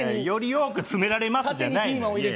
より多く詰められますじゃないのよ。